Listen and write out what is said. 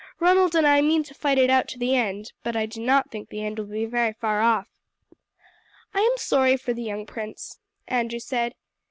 Ronald and I mean to fight it out to the end; but I do not think the end will be very far off." "I am sorry for the young prince," Andrew said.